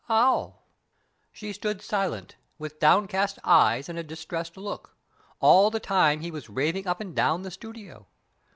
"How?" "She stood silent, with downcast eyes and a distressed look, all the time he was raving up and down the studio.